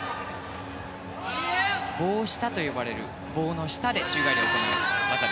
棒下と呼ばれる棒の下で宙返りを行う技